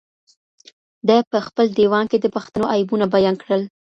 ده په خپل ديوان کې د پښتنو عیبونه بيان کړل.